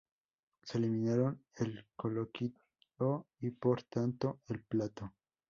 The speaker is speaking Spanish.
Se eliminaron el coloquio, y por tanto, el plató.